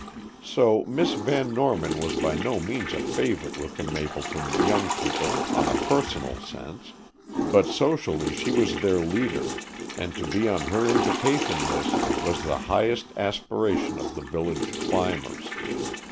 So Miss Van Norman was by no means a favorite with the Mapleton young people in a personal sense, but socially she was their leader, and to be on her invitation list was the highest aspiration of the village "climbers."